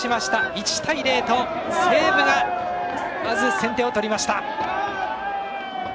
１対０と西武がまず先手を取りました。